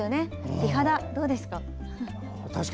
美肌、どうですか？